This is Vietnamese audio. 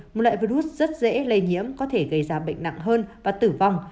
một loại virus rất dễ lây nhiễm có thể gây ra bệnh nặng hơn và tử vong